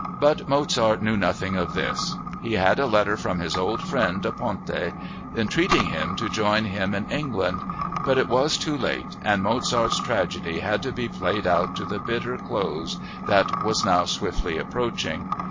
But Mozart knew nothing of this. He had a letter from his old friend, Da Ponte, entreating him to join him in England. But it was too late and Mozart's tragedy had to be played out to the bitter close that was now swiftly approaching.